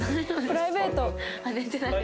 プライベート。